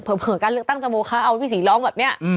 เผลอการเลือกตั้งจมูลค้าเอาว่าพี่ศรีร้องแบบเนี่ย